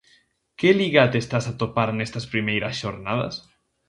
Que liga te estás a atopar nestas primeiras xornadas?